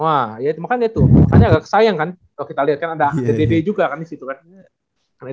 wah ya mah kan dia tuh makanya agak sayang kan kalo kita liat kan ada d d d juga kan disitu kan